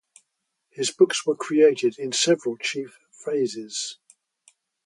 His books were created in several chief phases.